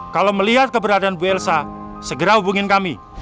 kalau melihat keberadaan bu elsa segera hubungin kami